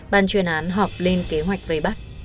bàn truyền án họp lên kế hoạch về bắt